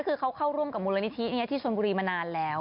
คือเขาเข้าร่วมกับมูลนิธิที่ชนบุรีมานานแล้ว